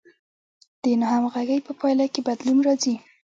د ناهمغږۍ په پایله کې بدلون راځي.